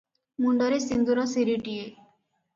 ମୁଣ୍ଡରେ ସିନ୍ଦୂର ସିରିଟିଏ